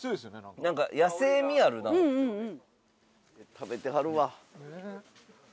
食べてはるわ。